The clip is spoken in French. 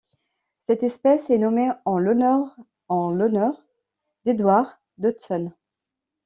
Cette espèce est nommée en l'honneur en l'honneur d'Edward Dodson.